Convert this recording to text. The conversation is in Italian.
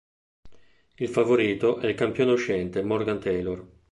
Il favorito è il campione uscente Morgan Taylor.